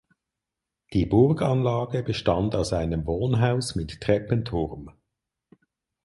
Die Burganlage bestand aus einem Wohnhaus mit Treppenturm.